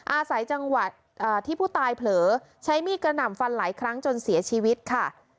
อาศัยจังหวะที่ผู้ตายเผลอใช้มีดกระหน่ำฟันหลายครั้งจนเสียชีวิตค่ะ